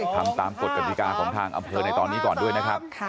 ทำตามกฎกฎิกาของทางอำเภอในตอนนี้ก่อนด้วยนะครับ